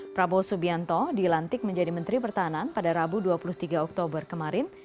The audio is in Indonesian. prabowo subianto dilantik menjadi menteri pertahanan pada rabu dua puluh tiga oktober kemarin